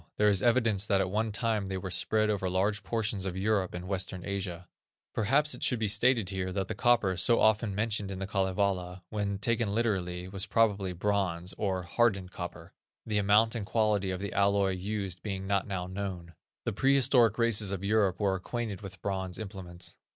There is evidence that at one time they were spread over large portions of Europe and western Asia. Perhaps it should be stated here that the copper, so often mentioned in The Kalevala, when taken literally, was probably bronze, or "hardened copper," the amount and quality of the alloy used being not now known. The prehistoric races of Europe were acquainted with bronze implements.